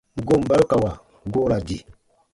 Goon barukawa goo ra di.